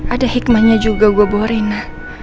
ada hikmahnya juga gue bohorena